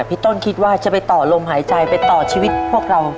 พี่ต้นคิดว่าจะไปต่อลมหายใจไปต่อชีวิตพวกเรา